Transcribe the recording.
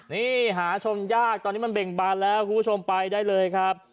นี่หาชมยากตอนนี้มันเบ่งบานแล้วคุณผู้ชมไปได้เลยครับ